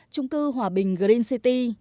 trung cư hòa bình green city